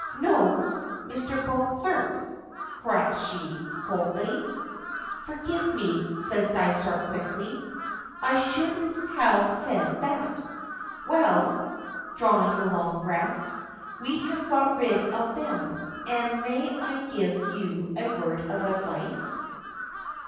"No; Mr. Beauclerk," corrects she, coldly. "Forgive me," says Dysart quickly, "I shouldn't have said that. Well," drawing a long breath, "we have got rid of them, and may I give you a word of advice?